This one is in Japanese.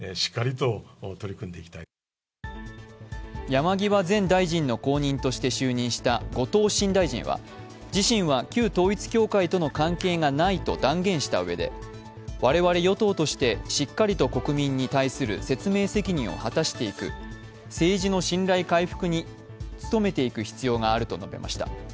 山際前大臣の後任として就任した後藤新大臣は自身は旧統一教会との関係がないと断言したうえで我々与党としてしっかりと国民に対する説明責任を果たしていく政治の信頼回復に努めていく必要があると述べました。